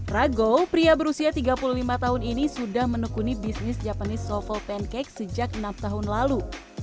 rago pria berusia tiga puluh lima tahun ini sudah menekuni bisnis japanese softle pancake sejak enam tahun lalu